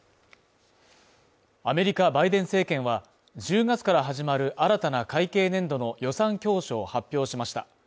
アメリカバイデン政権は１０月から始まる新たな会計年度の予算教書を発表しました。